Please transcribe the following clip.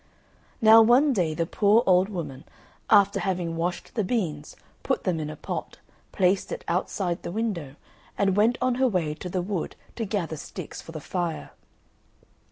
Now one day the poor old woman, after having washed the beans, put them in a pot, placed it outside the window, and went on her way to the wood to gather sticks for the fire.